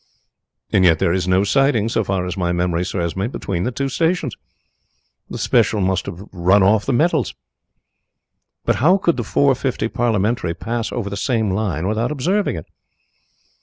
"And yet there is no siding, so far as my memory serves me, between the two stations. The special must have run off the metals." "But how could the four fifty parliamentary pass over the same line without observing it?"